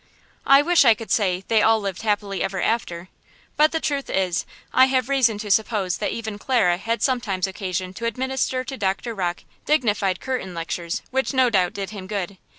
I wish I could say "they all lived happy ever after." But the truth is I have reason to suppose that even Clara had sometimes occasion to administer to Doctor Rocke dignified curtain lectures, which no doubt did him good.